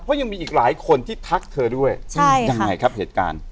เพราะยังมีอีกหลายคนที่ทักเธอด้วยยังไงครับเหตุการณ์